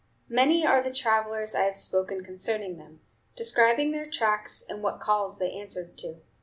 Many are the travelers I have spoken concerning them, describing their tracks and what calls they answered to.